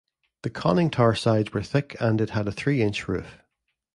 The conning tower sides were thick and it had a three-inch roof.